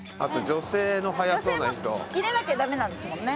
女性も入れなきゃダメなんですもんね。